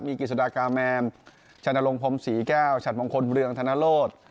มีกิจสดากาแมนชนลงพรมศรีแก้วฉัดมงคลเรืองธนโลศ